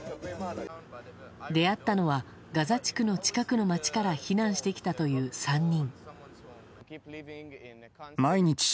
出会ったのはガザ地区の近くの街から避難してきたという３人。